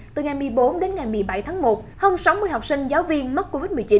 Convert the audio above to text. từ ngày một mươi bốn đến ngày một mươi bảy tháng một hơn sáu mươi học sinh giáo viên mắc covid một mươi chín